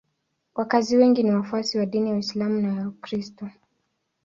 Wakazi wengi ni wafuasi wa dini ya Uislamu na ya Ukristo.